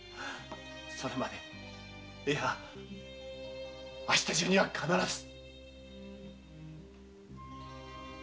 それまでいや明日中には必ず。